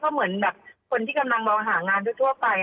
เหมือนแบบคนที่กำลังมองหางานทั่วไป